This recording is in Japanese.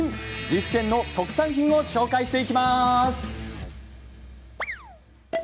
岐阜県の特産品を紹介していきます。